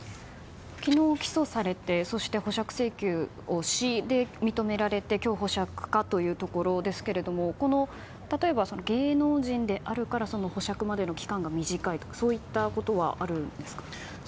昨日、起訴されて保釈請求をして認められて今日保釈かというところですが例えば、芸能人であるから保釈までの期間が短いとか、そういったことはあるんですか？